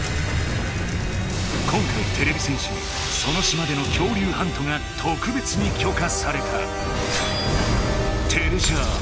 今回てれび戦士にその島での恐竜ハントがとくべつにきょかされた。